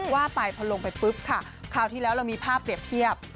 ว่าไปพอลงไปปุ๊บค่ะคราวที่แล้วเรามีภาพเปรียบเทียบ